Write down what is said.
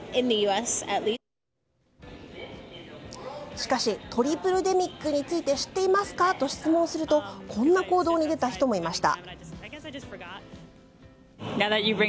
しかしトリプルデミックについて知っていますかと質問するとこんな行動に出た人もいました。